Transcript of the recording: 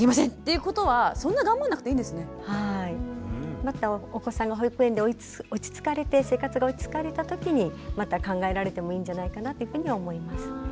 またお子さんが保育園で落ち着かれて生活が落ち着かれたときにまた考えられてもいいんじゃないかなというふうには思います。